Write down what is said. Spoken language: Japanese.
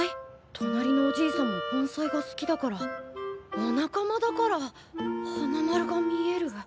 となりのおじいさんも盆栽が好きだからお仲間だから花丸が見える？